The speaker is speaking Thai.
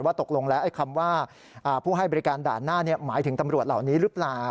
ตกลงแล้วคำว่าผู้ให้บริการด่านหน้าหมายถึงตำรวจเหล่านี้หรือเปล่า